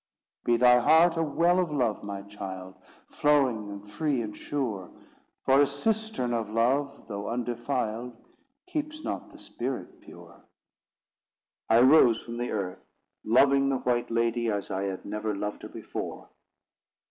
Be thy heart a well of love, my child, Flowing, and free, and sure; For a cistern of love, though undefiled, Keeps not the spirit pure. I rose from the earth, loving the white lady as I had never loved her before.